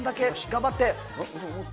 頑張って！